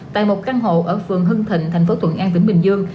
tại một căn hộ ở phường hưng thịnh thành phố thuận an tỉnh bình dương